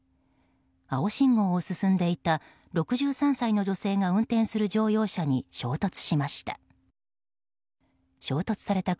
青信号を進んでいた６３歳の女性が運転する乗用車に衝突しました。